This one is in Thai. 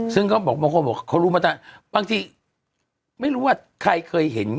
ซึ่งบางคนบอกบางทีไม่รู้ว่าใครเคยเห็น